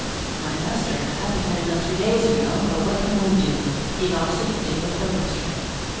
"My master had appetite enough three days ago, but what can one do? he lost it the day before yesterday."